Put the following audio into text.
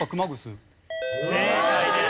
正解です。